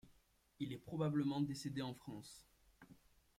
Il est probablement décédé en France.